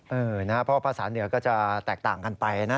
เพราะภาษาเหนือก็จะแตกต่างกันไปนะ